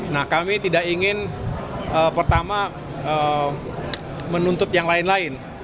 nah kami tidak ingin pertama menuntut yang lain lain